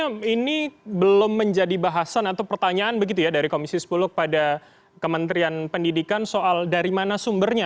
artinya ini belum menjadi bahasan atau pertanyaan begitu ya dari komisi sepuluh kepada kementerian pendidikan soal dari mana sumbernya